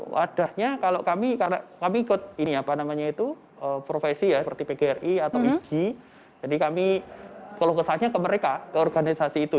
wadahnya kalau kami karena kami ikut ini apa namanya itu profesi ya seperti pgri atau ig jadi kami keluh kesahnya ke mereka ke organisasi itu